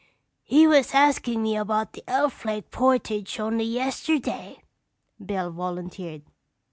"He was askin' me about the Elf Lake portage only yesterday," Bill volunteered.